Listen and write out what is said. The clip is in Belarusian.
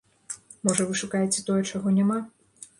Можа, вы шукаеце тое, чаго няма?